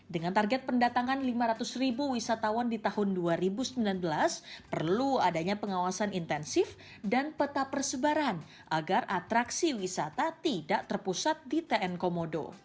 dengan target pendatangan lima ratus ribu wisatawan di tahun dua ribu sembilan belas perlu adanya pengawasan intensif dan peta persebaran agar atraksi wisata tidak terpusat di tn komodo